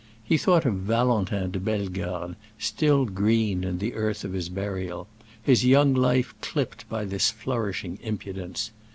He thought of Valentin de Bellegarde, still green in the earth of his burial—his young life clipped by this flourishing impudence.